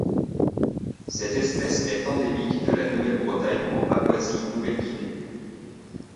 Cette espèce est endémique de la Nouvelle-Bretagne en Papouasie-Nouvelle-Guinée.